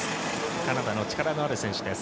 カナダの力のある選手です。